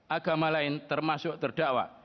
agama lain termasuk terdakwa